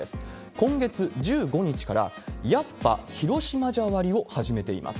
今月１５日から、やっぱ広島じゃ割を始めています。